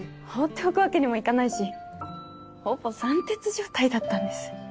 放っておくわけにもいかないしほぼ三徹状態だったんです。